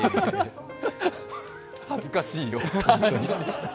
恥ずかしいよ。